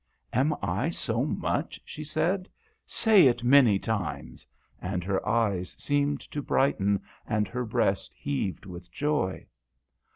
" Am I so much ?" she said ;" say it many times !" and her eyes seemed to brighten and her breast heaved with joy.